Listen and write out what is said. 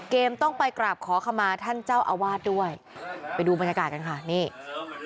ต้องไปกราบขอขมาท่านเจ้าอาวาสด้วยไปดูบรรยากาศกันค่ะนี่